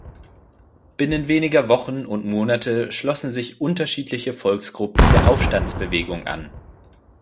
Binnen weniger Wochen und Monate schlossen sich unterschiedliche Volksgruppen der Aufstandsbewegung an.